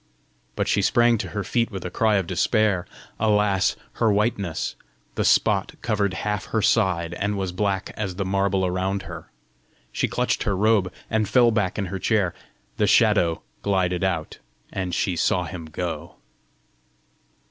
But she sprang to her feet with a cry of despair: alas her whiteness! the spot covered half her side, and was black as the marble around her! She clutched her robe, and fell back in her chair. The Shadow glided out, and she saw him go.